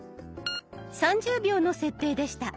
３０秒の設定でした。